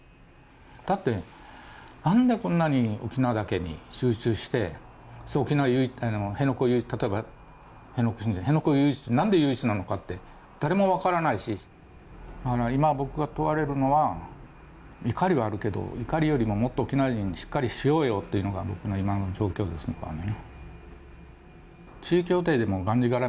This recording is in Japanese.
だって、なんでこんなに沖縄だけに集中して、例えば、辺野古唯一って、何で唯一なのか、誰も分からないし、今僕が問われるのは、怒りはあるけれども怒りよりももっと沖縄人、もっとしっかりしようよというのが僕の今の状況ですね。